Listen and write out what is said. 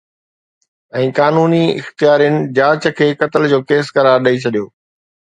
۽ قانوني اختيارين جاچ کي قتل جو ڪيس قرار ڏئي ڇڏيو